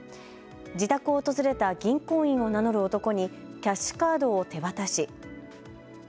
自宅を訪れた銀行員を名乗る男にキャッシュカードを手渡し。